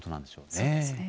そうですね。